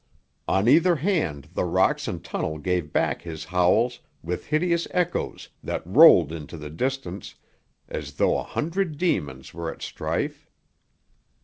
On either hand the rocks and tunnel gave back his howls with hideous echoes that rolled into the distance as though a hundred demons were at strife.